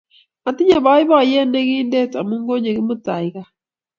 Atinye boiboyet nekindet amu kanyo Kimutai gaa